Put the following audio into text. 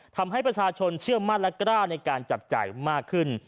ทำให้ประชาชนเชื่อมั่นและกล้าในการจับจ่ายมากขึ้น